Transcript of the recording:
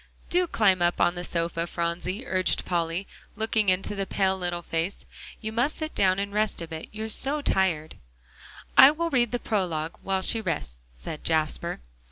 "Do climb up on the sofa, Phronsie," urged Polly, looking into the pale little face, "you must sit down and rest a bit, you're so tired." "I will read the prologue while she rests," said Jasper.